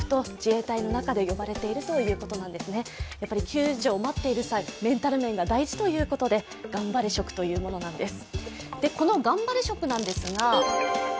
救助を待っている際、メンタル面が大事ということでがんばれ食というものなんです。